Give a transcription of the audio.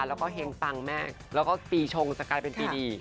แล้วก็เห็งปังแม่งแล้วก็ปีชงสกายเป็นปีดี